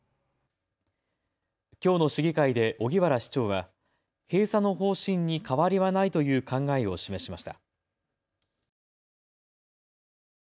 きょうの市議会で荻原市長は閉鎖の方針に変わりはないという考えを示しました。